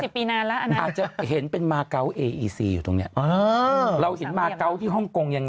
ดู๑๐ปีนานแล้วอันนั้น